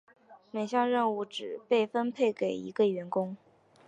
每项任务只被分配给一个员工。